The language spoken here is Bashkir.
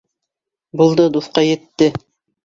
Булды, дуҫҡай, етте!